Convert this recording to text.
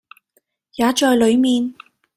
也在裏面，